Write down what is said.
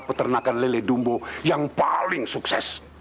peternakan lele dumbo yang paling sukses